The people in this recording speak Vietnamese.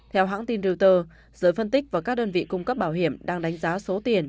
theo hãng tin reuters giới phân tích và các đơn vị cung cấp bảo hiểm đang đánh giá số tiền